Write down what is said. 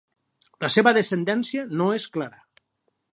La seva descendència no és clara.